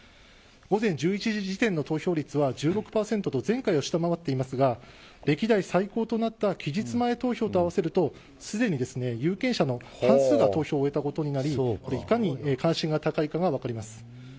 午前１１時時点での投票率は１６％と前回を下回っていますが歴代最高となった期日前投票と合わせるとすでに有権者の半数が投票を終えたことになりいかに関心が高いかが分かります。